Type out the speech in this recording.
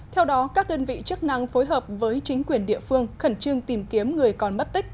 theo đó các đơn vị chức năng phối hợp với chính quyền địa phương khẩn trương tìm kiếm người còn mất tích